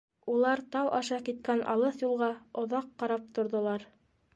Улар тау аша киткән алыҫ юлға оҙаҡ ҡарап торҙолар.